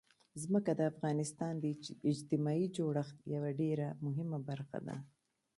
ځمکه د افغانستان د اجتماعي جوړښت یوه ډېره مهمه برخه ده.